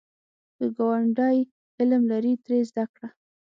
که ګاونډی علم لري، ترې زده کړه